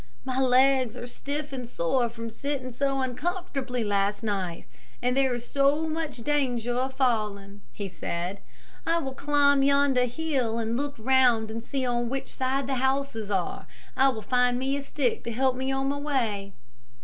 "My legs are stiff and sore from sitting so uncomfortably last night, and there is so much danger of falling," he said. "I will climb yonder hill and look around and see on which side the houses are. I will find me a stick to help me on my way."